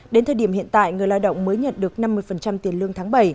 đến thời điểm hiện tại người lao động mới nhận được năm mươi tiền lương tháng bảy